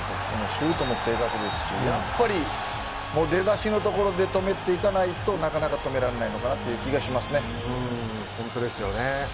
シュートも正確ですし出だしのところで止めていかないと、なかなか止められないのかなという気が本当ですよね。